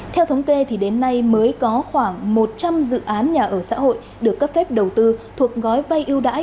theo thống kê thì đến nay mới có khoảng một trăm linh dự án nhà ở xã hội được cấp phép đầu tư thuộc gói vay ưu đãi